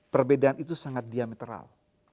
perbedaan itu sangat diametral